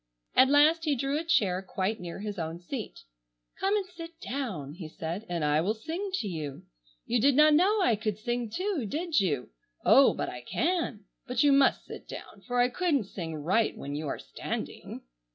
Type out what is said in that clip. At last he drew a chair quite near his own seat. "Come and sit down," he said, "and I will sing to you. You did not know I could sing, too, did you? Oh, I can. But you must sit down for I couldn't sing right when you are standing."